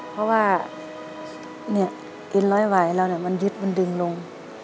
เพราะว่าเนี่ยเอ็นรอยไหวแล้วเนี่ยมันยึดมันดึงลง